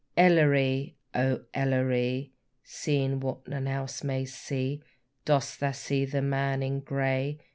Elleree! O Elleree! Seeing what none else may see, Dost thou see the man in grey?